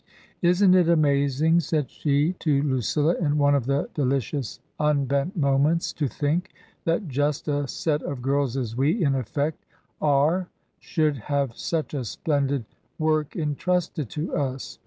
" Isn't it amazing," said she to Lucilla in one of the delicious unbent moments, "to think that just a set of girls as we, in effect, are, should have such a splendid work intrusted to us